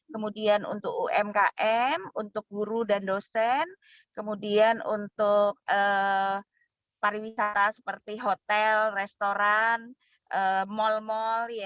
kemudian untuk umkm untuk guru dan dosen kemudian untuk pariwisata seperti hotel restoran mal mal